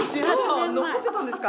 残ってたんですか？